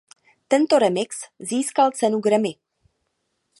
Tento remix získal cenu Grammy.